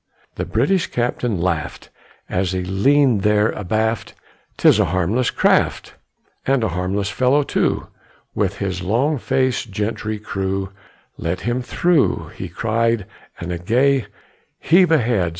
The British captain laught As he leaned there abaft: "'Tis a harmless craft, "And a harmless fellow too, With his long faced gentry crew; Let him through," He cried; and a gay "Heave ahead!"